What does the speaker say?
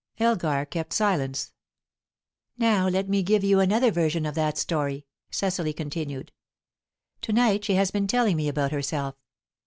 Elgar kept silence. "Now let me give you another version of that story," Cecily continued. "To night she has been telling me about herself.